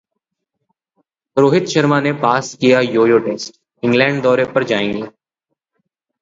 रोहित शर्मा ने पास किया यो-यो टेस्ट, इंग्लैंड दौरे पर जाएंगे